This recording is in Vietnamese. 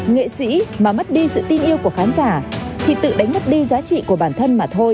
nghệ sĩ mà mất đi sự tin yêu của khán giả thì tự đánh mất đi giá trị của bản thân mà thôi